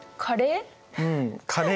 カレー？